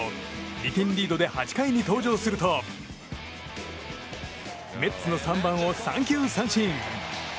２点リードで８回に登場するとメッツの３番を三球三振！